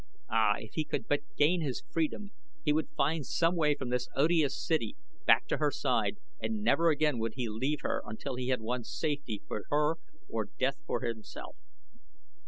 Ah, if he could but gain his freedom! He would find some way from this odious city back to her side and never again would he leave her until he had won safety for her or death for himself.